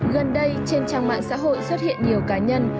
gần đây trên trang mạng xã hội xuất hiện nhiều cá nhân